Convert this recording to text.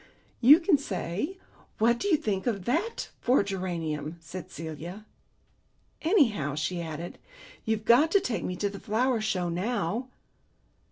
"You can say, 'What do you think of that for a geranium?'" said Celia. "Anyhow," she added, "you've got to take me to the Flower Show now."